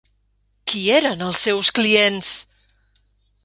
Qui eren els seus clients?